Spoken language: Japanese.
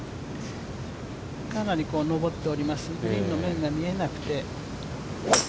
かなり上っております、グリーンの面が見えなくて。